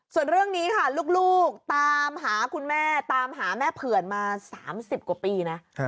ส่วนเรื่องนี้ค่ะลูกตามหาคุณแม่ตามหาแม่เผื่อนมา๓๐กว่าปีนะ